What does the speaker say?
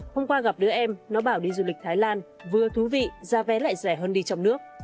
hôm qua gặp đứa em nó bảo đi du lịch thái lan vừa thú vị giá vé lại rẻ hơn đi trong nước